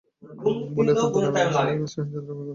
বলিয়া অত্যন্ত আবেগের সহিত ধ্রুবকে চাপিয়া ধরিলেন।